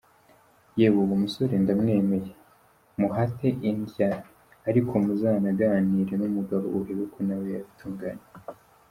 yewe uwo musore ndamwemeye muhate indya ariko muzanaganire n’umugabo urebe ko nawe yabitunganya.